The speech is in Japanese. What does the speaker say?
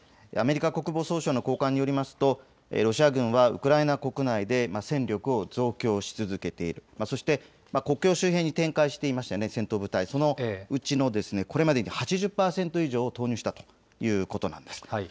アメリカ国防総省の高官によりますとロシア軍はウクライナ国内で戦力を増強し続けている、そして国境周辺に展開していた戦闘部隊のうちこれまでに８０％以上を投入したということです。